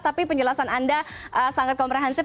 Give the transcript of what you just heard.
tapi penjelasan anda sangat komprehensif